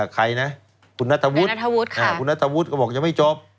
ใครนะคุณนัทวุฒิก็บอกจะไม่จบ